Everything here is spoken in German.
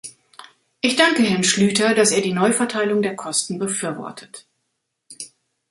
Ich danke Herrn Schlyter, dass er die Neuverteilung der Kosten befürwortet.